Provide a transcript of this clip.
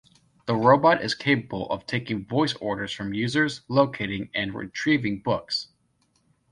The robot is capable of taking voice orders from users, locating, and retrieving books.